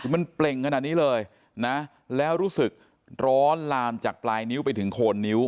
คือมันเปล่งขนาดนี้เลยนะแล้วรู้สึกร้อนลามจากปลายนิ้วไปถึงโคนนิ้ว